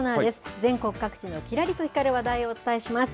全国各地のきらりと光る話題をお伝えします。